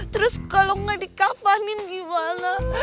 terus kalau nggak dikapanin gimana